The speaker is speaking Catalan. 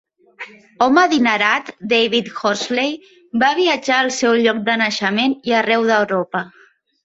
Home adinerat, David Horsley va viatjar al seu lloc de naixement i arreu d'Europa.